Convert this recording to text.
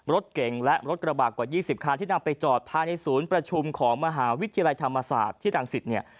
รถเก่งและรถกระบาดกว่า๒๐คันที่นำไปจอดภายในศูนย์ประชุมของมหาวิทยาลัยธรรมศาสตร์ที่รังสิตเนี่ย